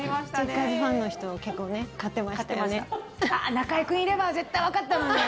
中居君いれば絶対わかったのに。